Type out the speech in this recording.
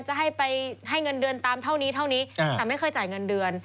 จะให้ไปให้เงินเดือนตามเท่านี้เท่านี้แต่ไม่เคยจ่ายเงินเดือน